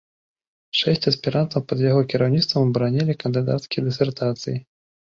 Шэсць аспірантаў пад яго кіраўніцтвам абаранілі кандыдацкія дысертацыі.